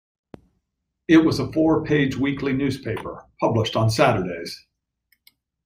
It was a four-page weekly newspaper, published on Saturdays.